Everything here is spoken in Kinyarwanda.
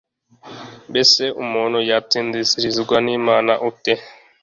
mbese umuntu yatsindishirizwa n'imana ate